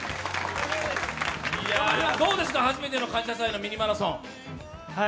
どうですか、初めての「感謝祭」のミニマラソン。